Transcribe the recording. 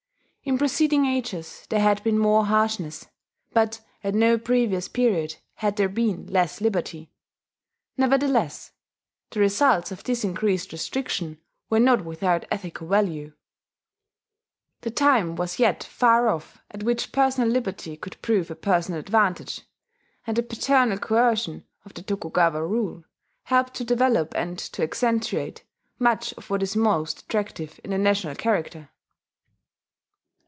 In preceding ages there had been more harshness; but at no previous period had there been less liberty. Nevertheless, the results of this increased restriction were not without ethical value: the time was yet far off at which personal liberty could prove a personal advantage; and the paternal coercion of the Tokugawa rule helped to develop and to accentuate much of what is most attractive in the national character.